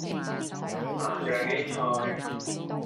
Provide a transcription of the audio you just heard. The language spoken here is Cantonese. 麻醬 A 菜